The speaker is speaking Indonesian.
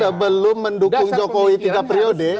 sebelum mendukung jokowi tiga periode